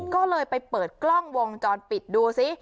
ก็เลยไปเปิดกล้องวงจรปิดดูซิ